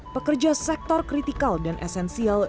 pekerja sektor kritikal dan esensial